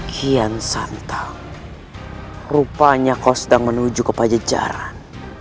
kian santa rupanya kau sedang menuju ke pajajaran